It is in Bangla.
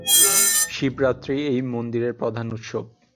শিবরাত্রি এই মন্দিরের প্রধান উৎসব।